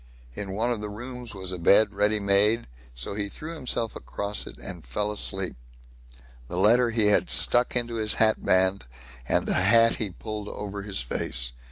In one of the rooms was a bed ready made, so he threw himself across it and fell asleep. The letter he had stuck into his hat band, and the hat he pulled over his face.